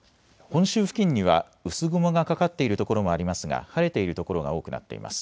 本州付近には薄雲がかかっているところもありますが晴れている所が多くなっています。